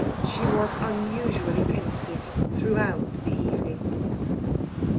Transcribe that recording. She was unusually pensive throughout the evening.